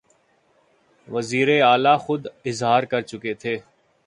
وزیراعلیٰ خود اظہار کرچکے تھے